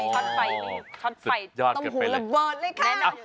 ช็อตไฟต้มหูระเบิดเลยค่ะ